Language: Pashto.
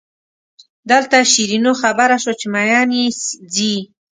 دلته شیرینو خبره شوه چې مئین یې ځي.